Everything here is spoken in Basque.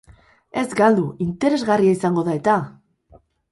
Ez galdu, interesgarria izango da eta!